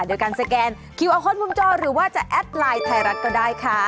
โดยการสแกนคิวเอาคอนมุมจอหรือว่าจะแอดไลน์ไทยรัฐก็ได้ค่ะ